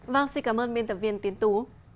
vâng xin cảm ơn biên tập viên tiến tú